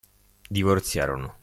Divorziarono.